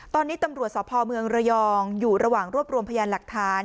ตอนนี้ตำรวจสพเมืองระยองอยู่ระหว่างรวบรวมพยานหลักฐาน